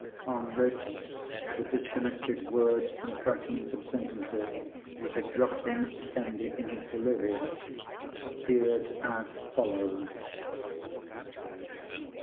On this, the disconnected words, and fragments of sentences, which had dropped from Mr. Candy in his delirium, appeared as follows